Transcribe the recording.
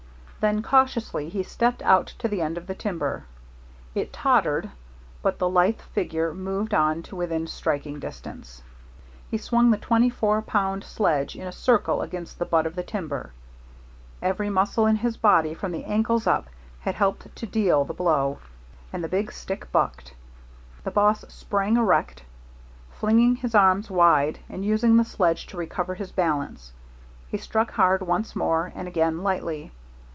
Then cautiously he stepped out to the end of the timber. It tottered, but the lithe figure moved on to within striking distance. He swung the twenty four pound sledge in a circle against the butt of the timber. Every muscle in his body from the ankles up had helped to deal the blow, and the big stick bucked. The boss sprang erect, flinging his arms wide and using the sledge to recover his balance. He struck hard once more and again lightly.